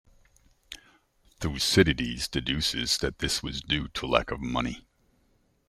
Thucydides deduces that this was due to lack of money.